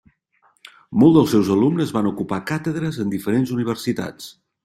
Molts dels seus alumnes van ocupar càtedres en diferents universitats.